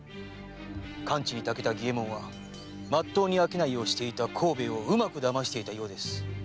奸智にたけた儀右衛門はまっとうに商いをしていた幸兵衛をうまく騙していたようです。